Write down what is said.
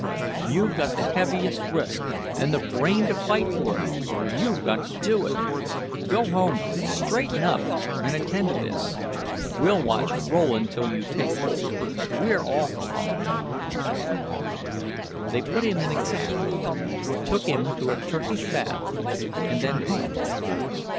You've got the heaviest risk and the brain to fight for it you've got to do it. Go home, straighten up, and attend to this. We'll watch Rowland till you take hold. We're all caught." They put him into a cab, took him to a Turkish bath, and then home.